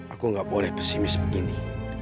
aku nggak boleh pesimis begini